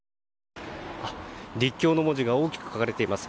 「ＲＩＫＫＹＯ」の文字が大きく書かれています。